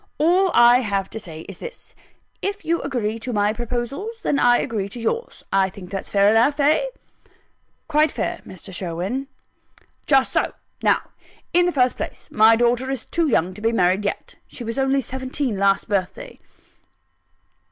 All I have to say is this: if you agree to my proposals, then I agree to yours. I think that's fair enough Eh?" "Quite fair, Mr. Sherwin." "Just so. Now, in the first place, my daughter is too young to be married yet. She was only seventeen last birthday."